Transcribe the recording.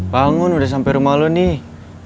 bangun udah sampai rumah lo nih